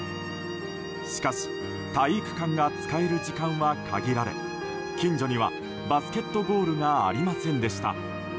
しかし体育館が使える時間は限られ近所にはバスケットゴールがありませんでした。